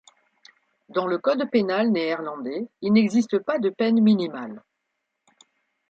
Dans le code pénal néerlandais, il n'existe pas de peines minimales.